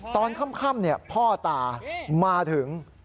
ตอนค่ำพ่อตามาถึง